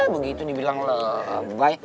begitu dibilang lebay